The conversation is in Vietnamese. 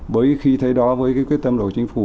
bởi khi thế đó với cái quyết tâm của chính phủ